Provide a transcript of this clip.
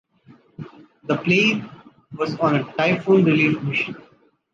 The plane was on a typhoon relief mission.